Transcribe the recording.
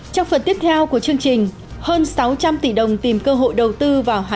trong phần tiếp theo của chương trình hơn sáu trăm linh tỷ đồng tìm cơ hội đầu tư vào hà nội